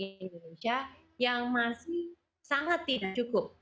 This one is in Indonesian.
dan di indonesia yang masih sangat tidak cukup